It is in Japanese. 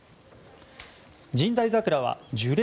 神代桜は樹齢